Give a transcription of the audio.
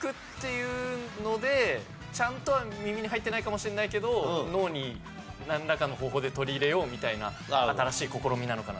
ちゃんとは耳に入ってないかもしれないけど脳になんらかの方法で取り入れようみたいな新しい試みなのかなと思いました。